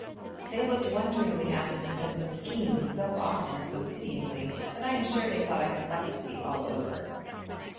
They looked wonderingly at them and said 'Meskin' so often and so pityingly that I am sure they thought I had leprosy all over.